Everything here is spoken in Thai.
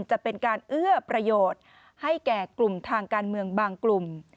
จะเป็นการเอื้อประโยชน์ให้แก่กลุ่มทางการเมืองบางกลุ่ม